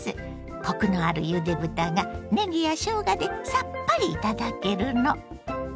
コクのあるゆで豚がねぎやしょうがでさっぱり頂けるの。